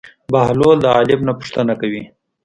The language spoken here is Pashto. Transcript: بهلول د عالم نه پوښتنه کوي.